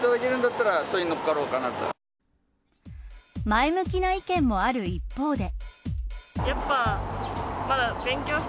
前向きな意見もある一方で。